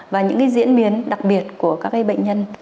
và những diễn biến đặc biệt của các bệnh nhân